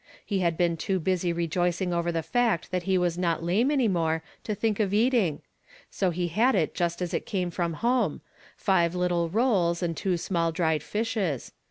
He had been too busy re j(Hcing over the iact that he was not lame any more, to think of eating ; so he had it just as it came from home, — five little rolls and two small dried fishes.